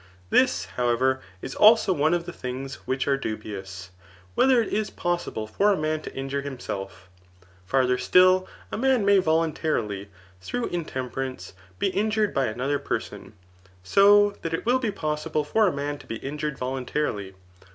This, however, is also one of the things which are dubious, whether it is possible for a man to injure hinip self. Farther still, a man may voluntarily, through in temperance, be injured by another person ; so that it will be possible for a man to be injured voluntarily.